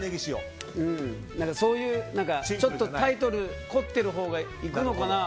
そういうちょっとタイトルが凝ってるほうがいくのかな？